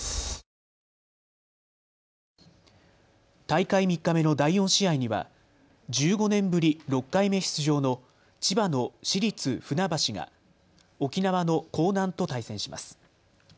大会３日目の第４試合には１５年ぶり６回目出場の千葉の市立船橋が、沖縄の興南と対戦します。